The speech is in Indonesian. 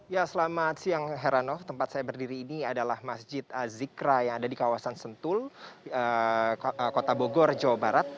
ya selamat siang heranov tempat saya berdiri ini adalah masjid azikra yang ada di kawasan sentul kota bogor jawa barat